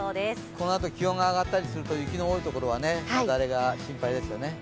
このあと気温が上がったりすると雪の多い所は雪崩が心配ですよね。